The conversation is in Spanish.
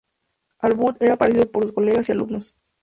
Aubert era apreciado por sus colegas y alumnos.